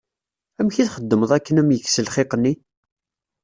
Amek i txedmeḍ akken ad am-yekkes lxiq-nni?